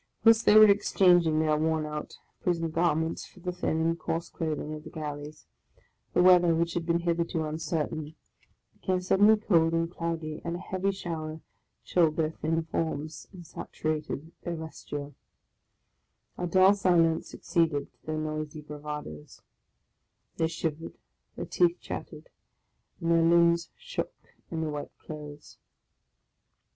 Whilst they were exchanging their worn out prison gar ments for the thin and coarse clothing of the galleys, the weather, which had been hitherto uncertain, became suddenly cold and cloudy, and a heavy shower chilled their thin forms, and saturated their vesture. A dull silence succeeded to their noisy bravadoes; they shivered, their teeth chattered, and their limbs, shook in the wet clothes.